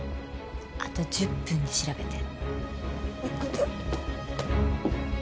あと１０分で調べて。